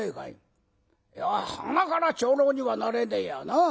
いやはなから長老にはなれねえやな。